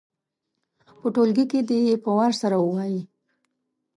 په ټولګي کې دې یې په وار سره ووايي.